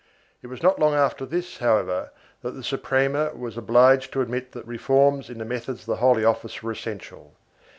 3 It was not long after this, however, that the Suprema was obliged to admit that reforms in the methods of the Holy Office were essential.